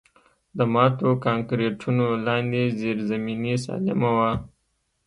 د ماتو کانکریټونو لاندې زیرزمیني سالمه وه